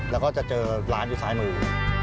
แล้วก็จะเจอร้านอยู่ซ้ายมือ